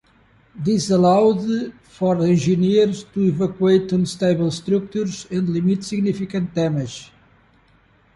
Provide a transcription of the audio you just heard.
This allowed for engineers to evacuate unstable structures and limit significant damage.